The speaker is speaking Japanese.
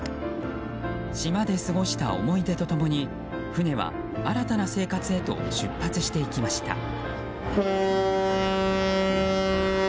島で過ごした思い出と共に船は新たな生活へと出発していきました。